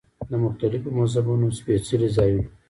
د مختلفو مذهبونو سپېڅلي ځایونه.